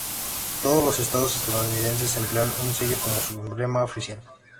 Todos los estados estadounidenses emplean un sello como su emblema oficial.